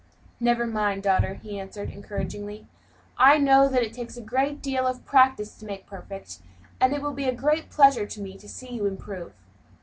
"Never mind, daughter," he answered, encouragingly; "I know that it takes a great deal of practice to make perfect, and it will be a great pleasure to me to see you improve."